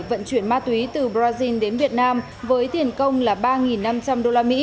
vận chuyển ma túy từ brazil đến việt nam với tiền công là ba năm trăm linh usd